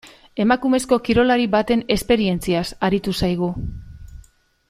Emakumezko kirolari baten esperientziaz aritu zaigu.